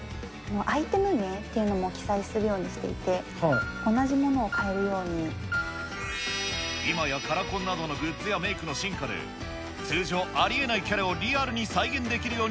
アイテム名というのも記載するようにしていて、同じものを買今やカラコンなどのグッズやメークの進化で、通常ありえないキャラをリアルに再現できるよう